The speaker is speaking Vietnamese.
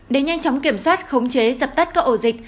để nhanh chóng kiểm soát khống chế dập tắt các ổ dịch